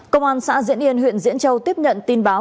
công an xã diễn yên huyện diễn châu tiếp nhận tin báo